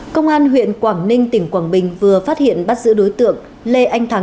công an huyện quảng ninh tỉnh quảng bình vừa phát hiện bắt giữ đối tượng lê anh thắng